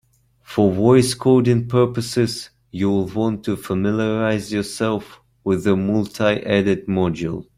For voice coding purposes, you'll want to familiarize yourself with the multiedit module.